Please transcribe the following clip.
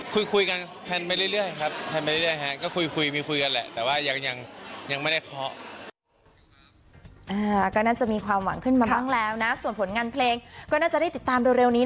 คุยกันแพลนไปเรื่อยครับแพลนไปเรื่อยฮะก็คุยมีคุยกันแหละแต่ว่ายังไม่ได้เคาะ